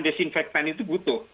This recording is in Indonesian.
desinfektan itu butuh